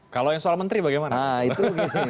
kalau yang soal menteri bagaimana itu